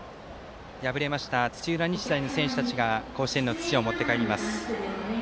敗れました土浦日大の選手たちが甲子園の土を持って帰ります。